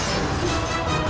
ini mah aneh